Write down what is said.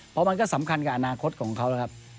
เพราะมันก็สำคัญกับอนาคตของเขานะครับ